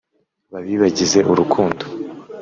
babibagize urukundo